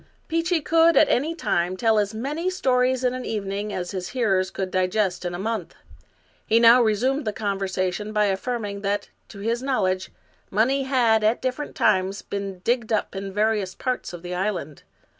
Peechy could, at any time, tell as many stories in an even ing as his hearers could digest in a month. He now resumed the conversation by affirming that, to his knowledge, money had, at different times, been digged up in various parts of the island.